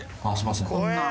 こんなん。